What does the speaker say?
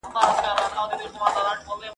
تا پخپله جواب کړي وسیلې دي !.